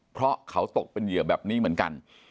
เพราะเขาตกเป็นเหยื่อแบบนี้เหมือนกัน